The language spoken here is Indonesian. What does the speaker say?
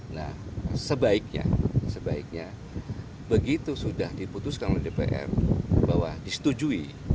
nah sebaiknya sebaiknya begitu sudah diputuskan oleh dpr bahwa disetujui